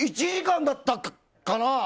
１時間だったかな？